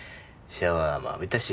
シャワーも浴びたし。